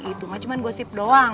itu mah cuma gosip doang